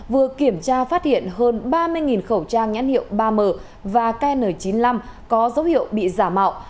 vừa kiểm tra phát hiện hơn ba mươi khẩu trang nhãn hiệu ba m và kn chín mươi năm có dấu hiệu bị giả mạo